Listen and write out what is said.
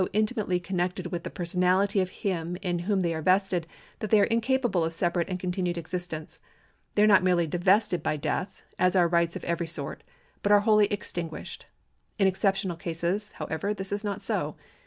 The latter are in almost all cases so intimately connected with the personality of him in whom they are vested, that they are incapable of separate and continued existence. They are not merely divested by death (as are rights of every sort), but are wholly extinguished. In exceptional cases, however, this is not so.